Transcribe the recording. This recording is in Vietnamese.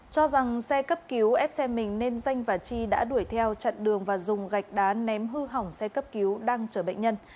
cho rằng xe cấp cứu ép xe mình nên danh và chi đã đuổi theo chặn đường và dùng gạch đá ném hư hỏng xe cấp cứu đang chở bệnh nhân